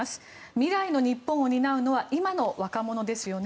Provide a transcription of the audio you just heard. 未来の日本を担うのは今の若者ですよね？